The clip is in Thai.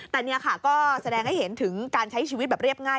แต่นี่ค่ะก็แสดงให้เห็นถึงการใช้ชีวิตแบบเรียบง่าย